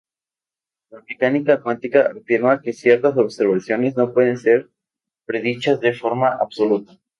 La mecánica cuántica afirma que ciertas observaciones no pueden ser predichas de forma absoluta.